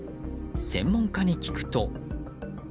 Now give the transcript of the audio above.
専門家に聞くと。